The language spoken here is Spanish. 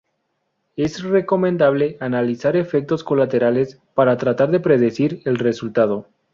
Es recomendable analizar efectos colaterales, para tratar de predecir el resultado.